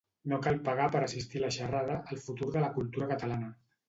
No cal pagar per assistir a la xerrada El futur de la cultura catalana.